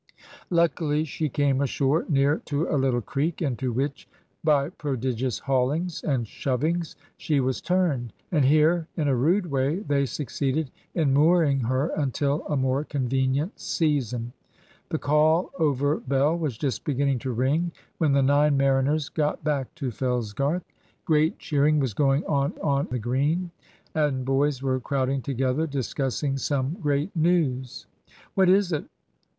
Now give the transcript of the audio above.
Luckily, she came ashore near to a little creek, into which, by prodigious haulings and shovings, she was turned; and here, in a rude way, they succeeded in mooring her until a more convenient season. The call over bell was just beginning to ring when the nine mariners got back to Fellsgarth. Great cheering was going on on the Green, and boys were crowding together discussing some great news. "What is it?